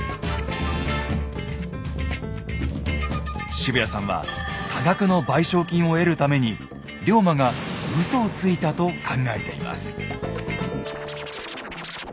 渋谷さんは多額の賠償金を得るために龍馬がウソをついたと考えています。